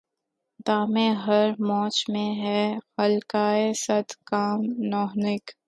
دام ہر موج میں ہے حلقۂ صد کام نہنگ